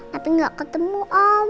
tapi gak ketemu om